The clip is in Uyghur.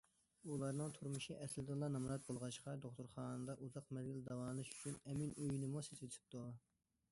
ئۇلارنىڭ تۇرمۇشى ئەسلىدىنلا نامرات بولغاچقا، دوختۇرخانىدا ئۇزاق مەزگىل داۋالىنىش ئۈچۈن ئەمىن ئۆيىنىمۇ سېتىۋېتىپتۇ.